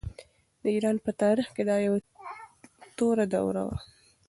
د ایران په تاریخ کې دا یوه توره دوره وه.